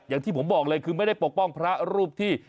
อย่างที่ผมบอกเลยคือไม่ได้ปกป้องพระรูปที่